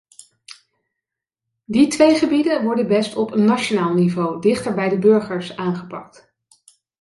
Die twee gebieden worden best op nationaal niveau, dichter bij de burgers, aangepakt.